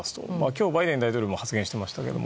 今日バイデン大統領も発言してましたけど